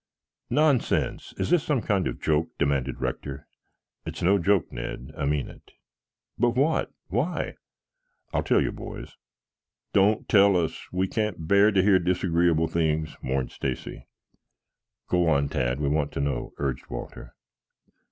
"Nonsense! Is this some kind of joke?" demanded Rector. "It's no joke, Ned. I mean it." "But what why " "I'll tell you, boys." "Don't tell us. We can't bear to hear disagreeable things," mourned Stacy. "Go on, Tad, we want to know," urged Walter.